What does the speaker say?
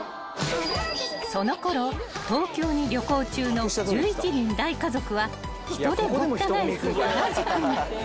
［そのころ東京に旅行中の１１人大家族は人でごった返す原宿に］